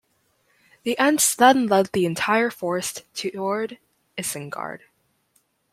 The Ents then lead the entire forest toward Isengard.